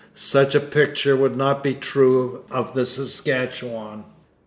Such a picture would not be true of the Saskatchewan.